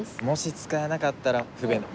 もし使えなかったら不便。